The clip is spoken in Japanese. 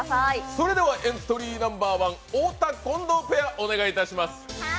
それではエントリーナンバー１、太田・近藤ペア、お願いします。